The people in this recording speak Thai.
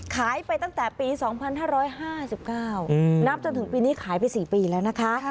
ขายไปตั้งแต่ปีสองพันห้าร้อยห้าสิบเก้านับจนถึงปีนี้ขายไปสี่ปีแล้วนะคะ